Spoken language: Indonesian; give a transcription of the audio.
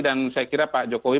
dan saya kira pak jokowi